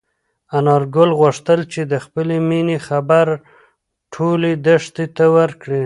انارګل غوښتل چې د خپلې مېنې خبر ټولې دښتې ته ورکړي.